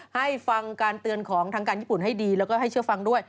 ให้ฟังการเตือนของทางการญี่ปุ่นให้ดีแล้วก็ให้เชื่อฟังด้วย